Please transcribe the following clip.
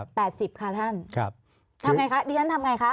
๘๐บาทค่ะท่านทำไงคะเดี๋ยวท่านทำไงคะ